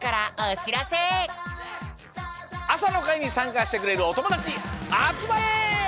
あさのかいにさんかしてくれるおともだちあつまれ！